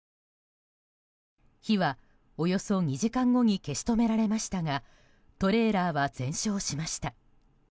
火は、およそ２時間後に消し止められましたがトレーラーは全焼しました。